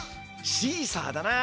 シーサーだな。